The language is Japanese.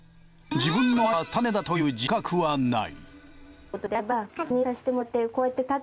自分のまいた種だという自覚はない。